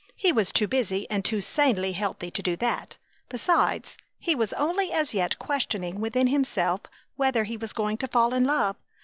He was too busy and too sanely healthy to do that. Besides, he was only as yet questioning within himself whether he was going to fall in love.